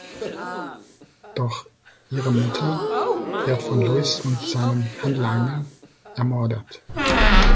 Doch ihre Mutter wird von Luis und seinen Handlangern ermordet.